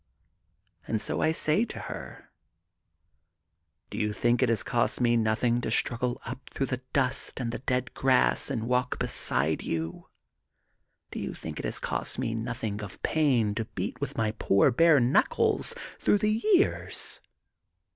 '' And so I say to her: Do you think it has cost me nothing to struggle up through the dust and the dead grass and walk beside you ? Do you think it has cost me nothing of pain to beat with my poor bare knuckles through the years